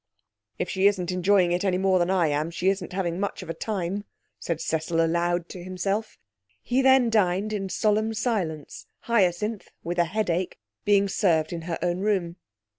'If she isn't enjoying it any more than I am, she isn't having much of a time,' said Cecil aloud to himself. He then dined in solemn silence, Hyacinth (with a headache) being served in her own room.